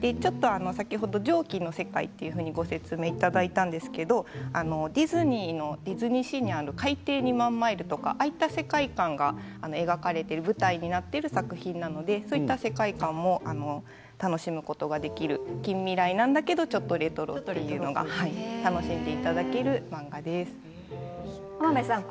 蒸気の世界っていう説明いただきましたけどディズニーシーの「海底２万マイル」とかああいった世界観が描かれている舞台になっている作品なのでそういった世界観も楽しむことができる近未来なんだけどレトロということが楽しめます。